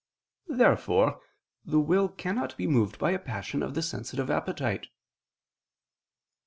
Therefore the will cannot be moved by a passion of the sensitive appetite.